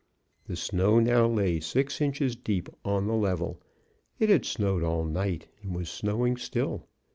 The snow now lay six inches deep on the level; it had snowed all night and was snowing still.